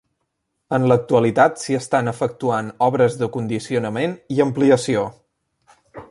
En l'actualitat s'hi estan efectuant obres de condicionament i ampliació.